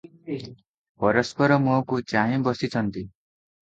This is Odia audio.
ପରସ୍ପର ମୁହଁକୁ ଚାହିଁବସିଛନ୍ତି ।